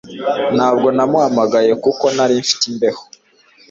Ntabwo namuhamagaye kuko nari mfite imbeho.